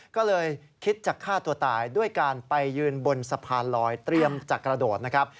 ก็เลยคิดจะฆ่าตัวตายด้วยการไปยืนบนสะพานลอยเตรียมจะกระโดดนะครับ